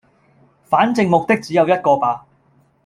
反正目的只有一個吧